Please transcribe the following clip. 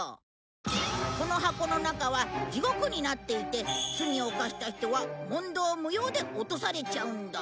この箱の中は地獄になっていて罪を犯した人は問答無用で落とされちゃうんだ。